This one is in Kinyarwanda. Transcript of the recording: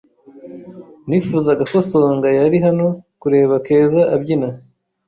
Nifuzaga ko Songa yari hano kureba Keza abyina.